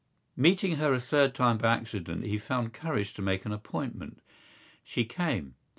Meeting her a third time by accident he found courage to make an appointment. She came.